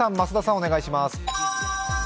お願いします。